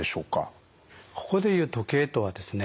ここで言う「時計」とはですね